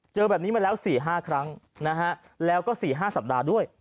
เจอแบบนี้มาแล้ว๔๕ครั้งนะฮะแล้วก็๔๕สัปดาห์ด้วย